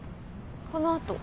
この後？